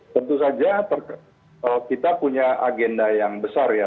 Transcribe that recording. tentu saja kita punya agenda yang besar ya